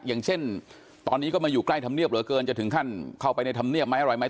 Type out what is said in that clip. อย่างเช่นตอนนี้ก็มาอยู่ใกล้ธรรมเนียบเหลือเกินจะถึงขั้นเข้าไปในธรรมเนียบไหมอะไรไหม